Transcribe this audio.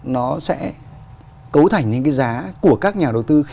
nó sẽ cấu thành những cái giá của các nhà đầu tư